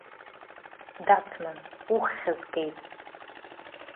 Дацман, уххь згеит.